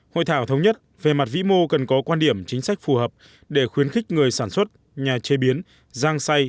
hội thảo thống nhất về mặt vĩ mô cần có quan điểm chính sách phù hợp để khuyến khích người sản xuất nhà chế biến giang xay